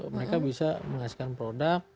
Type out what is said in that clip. mereka bisa menghasilkan produk